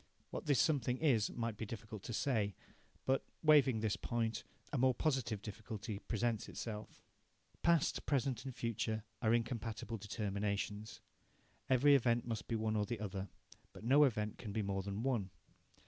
What this something is might be difficult to say. But, waiving this point, a more positive difficulty presents itself. Past, present, and future are incompatible determinations. Every event must be one or the other, but no event can be more than one.